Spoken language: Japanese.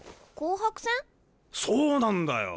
そうなんだよ！